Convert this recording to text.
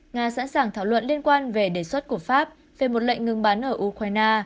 nga sẵn sàng thảo luận liên quan về đề xuất của pháp về một lệnh ngừng bắn ở ukraine